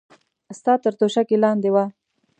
ستا تر توشکې لاندې وه.